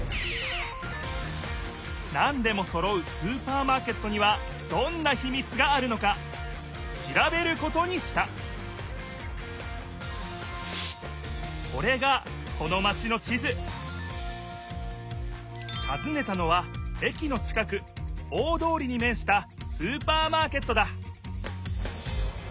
なんでもそろうスーパーマーケットにはどんなひみつがあるのか調べることにしたこれがこのマチの地図たずねたのは駅のちかく大通りにめんしたスーパーマーケットだ！